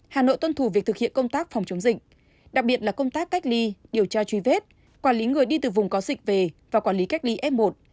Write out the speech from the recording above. hà nội tuân thủ việc thực hiện công tác phòng chống dịch đặc biệt là công tác cách ly điều tra truy vết quản lý người đi từ vùng có dịch về và quản lý cách ly f một